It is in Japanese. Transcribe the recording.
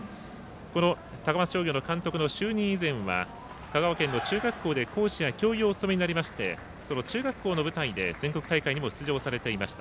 この高松商業の監督の就任以前は香川県の中学校で講師や教諭をお務めになりまして中学校の部で全国大会にも出場されました。